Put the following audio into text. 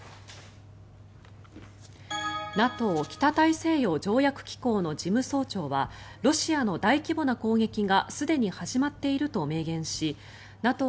ＮＡＴＯ・北大西洋条約機構の事務総長はロシアの大規模な攻撃がすでに始まっていると明言しＮＡＴＯ